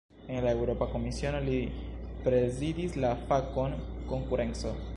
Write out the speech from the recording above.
En la Eŭropa Komisiono, li prezidis la fakon "konkurenco".